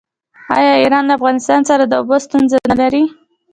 آیا ایران له افغانستان سره د اوبو ستونزه نلري؟